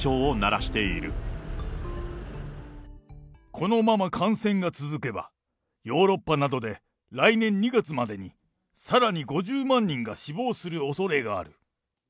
このまま感染が続けば、ヨーロッパなどで来年２月までにさらに５０万人が死亡するおそれがある。